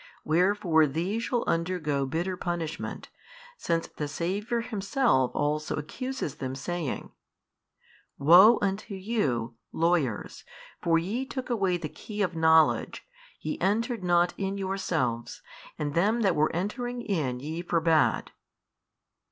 Wherefore these shall undergo bitter punishment, since the Saviour Himself also accuses them saying, Woe unto you, lawyers, for ye took away the hey of knowledge, ye entered not in yourselves, and them that were entering in ye forbad.